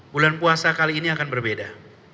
bulan puasa kali ini akan berbeda